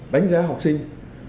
đánh giá học sinh